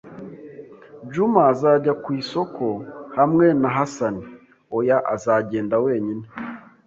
"Juma azajya ku isoko hamwe na Hasani?" "Oya, azagenda wenyine."